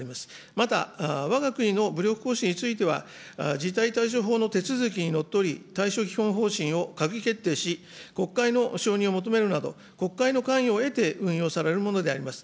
また、わが国の武力行使については、事態対処法の手続きにのっとり、対象基本方針を閣議決定し、国会の承認を求めるなど、国会の関与を得て運用されるものであります。